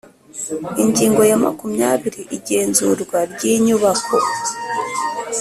Ingingo ya makumyabiri Igenzurwa ry inyubako